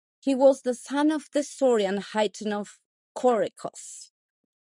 He was the son of the historian Hayton of Korikos.